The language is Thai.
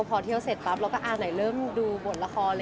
พอเที่ยวเสร็จปั๊บเราก็อ่าไหนเริ่มดูบทละครเลย